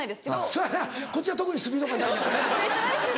そやなこっちは特にスピード感大事やからね。